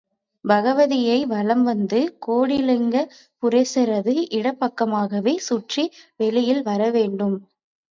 பகவதியை வலம் வந்து கோடிலிங்க புரேசரது இடப்பக்கமாகவே சுற்றி வெளியில் வர வேண்டும்.